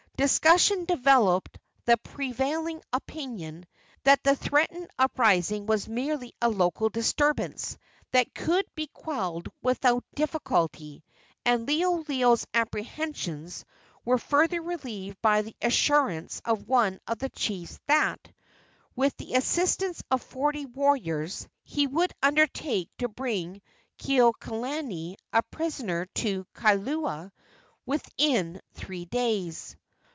Discussion developed the prevailing opinion that the threatened uprising was merely a local disturbance that could be quelled without difficulty, and Liholiho's apprehensions were further relieved by the assurance of one of the chiefs that, with the assistance of forty warriors, he would undertake to bring Kekuaokalani a prisoner to Kailua within three days.